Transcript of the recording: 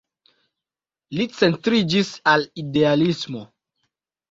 Li centriĝis al idealismo.